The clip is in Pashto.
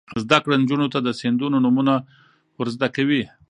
زده کړه نجونو ته د سیندونو نومونه ور زده کوي.